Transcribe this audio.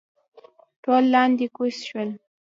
ټول لاندې کوز شول.